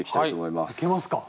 いけますか？